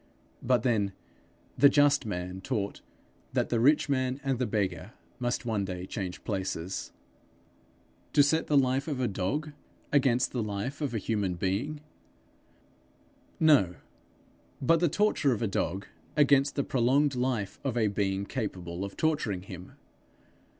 But then the just man taught that the rich man and the beggar must one day change places. 'To set the life of a dog against the life of a human being!' No, but the torture of a dog against the prolonged life of a being capable of torturing him.